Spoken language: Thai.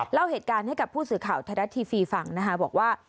เล่าเหตุการณ์ให้กับผู้สื่อข่าวธรรมดาทีฟรีฟังนะคะ